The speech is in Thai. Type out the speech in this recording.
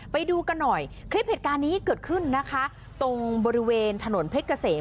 ไปดูกันหน่อยคลิปเหตุการณ์นี้เกิดขึ้นนะคะตรงบริเวณถนนเพชรเกษม